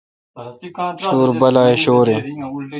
شویر بالہ اؘ شور این۔